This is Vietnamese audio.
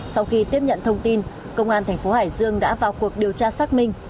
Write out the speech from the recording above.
sau khi tiếp nhận thông tin công an thành phố hải dương đã vào cuộc điều tra xác minh